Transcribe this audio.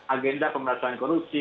agenda pemerintahan korupsi